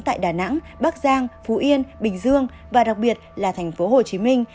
tại đà nẵng bắc giang phú yên bình dương và đặc biệt là thành phố hồ chí minh